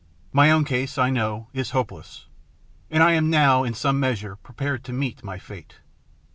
My own case, I know, is hopeless, and I am now in some measure prepared to meet my fate.